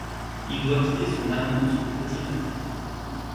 Il doit quitter son amante au petit matin.